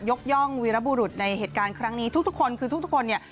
ย่องวีรบุรุษในเหตุการณ์ครั้งนี้ทุกคนคือทุกคนเนี่ย